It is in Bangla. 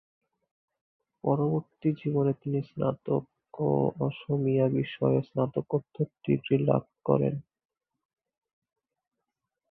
পরবর্তী জীবনে তিনি স্নাতক ও অসমীয়া বিষয়ে স্নাতকোত্তর ডিগ্রী লাভ করেন।